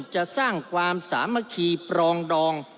จะสร้างความสามัคคีปรองดอง